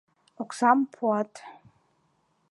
Оксам пуат.